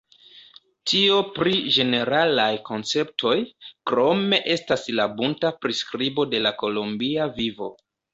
Tio pri ĝeneralaj konceptoj; krome estas la bunta priskribo de la kolombia vivo.